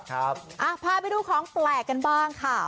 พาไปดูของแปลกกันบ้างค่ะ